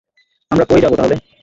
আমরা কই যাবো তাইলে?